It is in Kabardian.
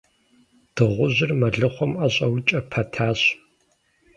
Дыгъужьыр мэлыхъуэм ӀэщӀэукӀэ пэтащ.